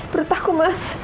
perut aku mas